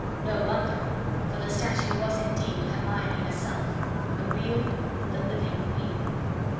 No wonder; for the statue was indeed Hermione herself, the real, the living queen.